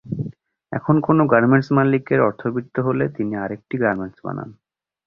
এখন কোনো একটি গার্মেন্টস মালিকের অর্থবিত্ত হলে তিনি আরেকটি গার্মেন্টস বানান।